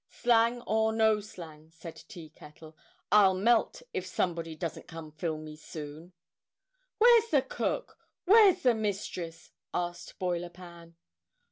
"Slang or no slang," said Tea Kettle, "I'll melt if somebody doesn't come fill me soon." "Where's the cook? Where's the mistress?" asked Boiler Pan.